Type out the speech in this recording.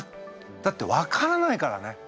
だって分からないからね